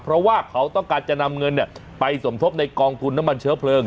เพราะว่าเขาต้องการจะนำเงินไปสมทบในกองทุนน้ำมันเชื้อเพลิง